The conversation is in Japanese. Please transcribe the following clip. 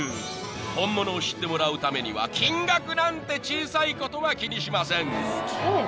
［本物を知ってもらうためには金額なんて小さいことは気にしません］